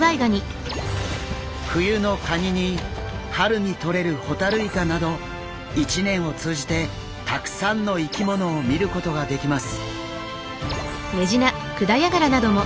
冬のカニに春にとれるホタルイカなど一年を通じてたくさんの生き物を見ることができます。